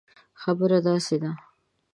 خبره داسي ده